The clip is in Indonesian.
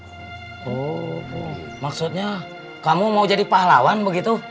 oh maksudnya kamu mau jadi pahlawan begitu